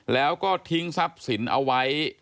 แล้วก็ทิ้งทรัพย์สินเอาไว้